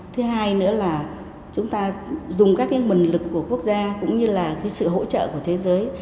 thứ hai nữa là chúng ta dùng các nguồn lực của quốc gia cũng như là sự hỗ trợ của thế giới